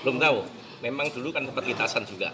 belum tahu memang dulu kan sempat kitasan juga